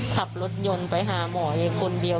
ขับรถยนต์ไปหาหมอเองคนเดียว